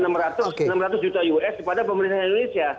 mereka mengugat enam ratus juta us pada pemerintahan indonesia